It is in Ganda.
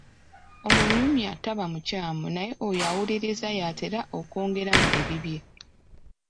Omunyumya taba mukyamu naye oyo awulirirza y’atera okwongeramu ebibye.